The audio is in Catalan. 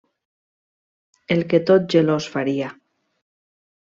El que tot gelós faria.